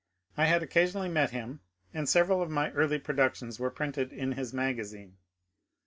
I had occasionally met him, and several of my early productions were printed in his magazine.